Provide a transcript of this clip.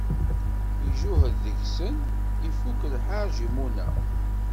Ijuhed deg-sen, ifuk lḥerǧ lmuna.